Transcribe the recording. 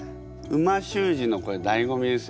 美味しゅう字のこれだいご味です